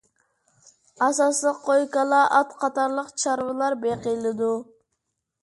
ئاساسلىق قوي، كالا، ئات قاتارلىق چارۋىلار بېقىلىدۇ.